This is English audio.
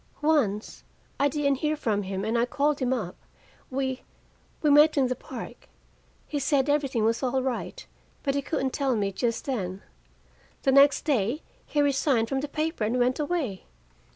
"Once. I didn't hear from him, and I called him up. We we met in the park. He said everything was all right, but he couldn't tell me just then. The next day he resigned from the paper and went away.